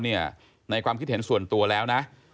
ในความคิดเห็นส่วนตัวแล้วนะ